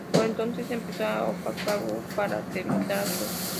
Por entonces empezó a apoyar Wu para debilitar a Chu.